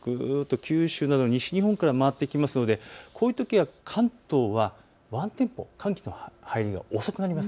九州など西日本から回ってきますのでこういうときは関東は寒気が入りが遅くなります。